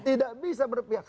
tidak bisa berpihak